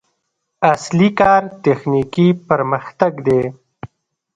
اصلي کار تخنیکي پرمختګ دی.